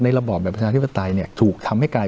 ในระบอบแบบประชาธิบัติเนี่ยถูกทำให้กลาย